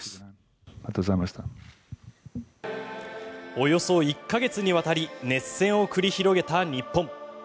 およそ１か月にわたり熱戦を繰り広げた日本。